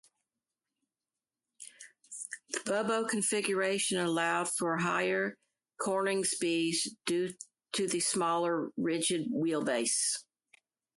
The Bo-Bo configuration allowed for higher cornering speeds due to the smaller rigid wheelbase.